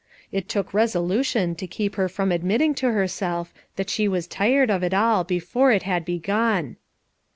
It took resolution to keep her from admitting to herself that she was tired of it all, before it had begun.